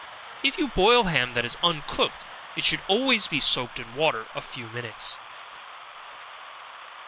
If you broil ham that is uncooked, it should always be soaked in water a few minutes.